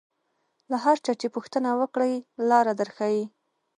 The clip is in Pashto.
له هر چا چې پوښتنه وکړې لاره در ښیي.